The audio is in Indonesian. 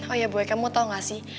oh ya boy kamu tau nggak sih